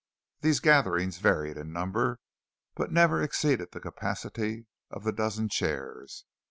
These gatherings varied in number, but never exceeded the capacity of the dozen chairs.